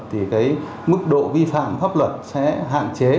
thì cái mức độ vi phạm pháp luật sẽ hạn chế